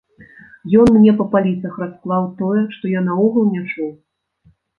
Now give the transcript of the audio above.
Ён мне па паліцах расклаў тое, што я наогул не чуў!